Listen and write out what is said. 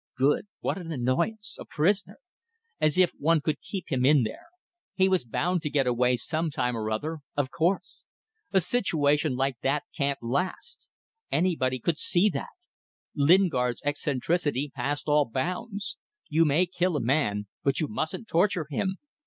Good. What an annoyance! A prisoner! As if one could keep him in there. He was bound to get away some time or other. Of course. A situation like that can't last. Anybody could see that. Lingard's eccentricity passed all bounds. You may kill a man, but you mustn't torture him.